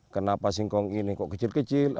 kenapa singkong ini kok kecil kecil